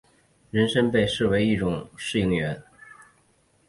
人参被珍视为一种适应原。